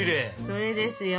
それですよ。